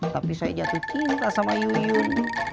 tapi saya jatuh cinta sama yuyun